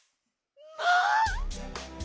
まあ！